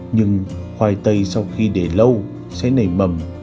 nhưng khoai tây sau khi để lâu sẽ nảy mầm